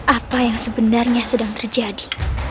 apa yang sebenarnya sedang terjadi